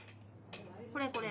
これこれ。